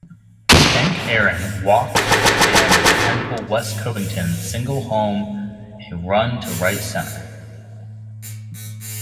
Hank Aaron walked and dependable Wes Covington singled home a run to right-center.